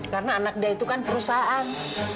karena anak dia itu kan perusahaan